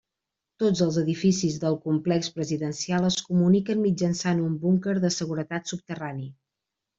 Tots els edificis del complex presidencial es comuniquen mitjançant un búnquer de seguretat subterrani.